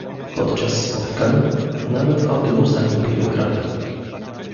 podczas spotkań, nawet w autobusach w niektórych krajach